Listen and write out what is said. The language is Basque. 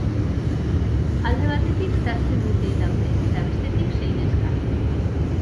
Alde batetik, zazpi mutil daude eta bestetik, sei neska.